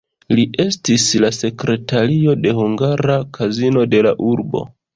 Li estis la sekretario de hungara kazino de la urbo.